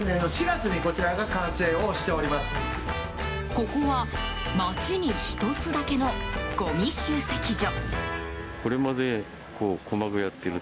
ここは、町に１つだけのごみ集積所。